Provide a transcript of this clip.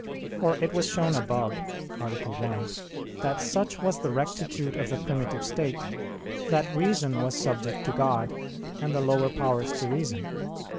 For it was shown above (A. 1) that such was the rectitude of the primitive state, that reason was subject to God, and the lower powers to reason.